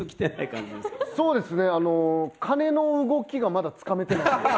そうですねあの金の動きがまだつかめてない。